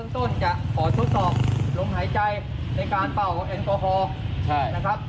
ตอนจะขอทดสอบลงหายใจในการเป้าแอนโคฮอล์